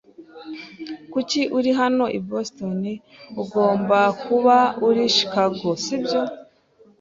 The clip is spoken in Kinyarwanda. Kuki uri hano i Boston? Ugomba kuba uri Chicago, sibyo?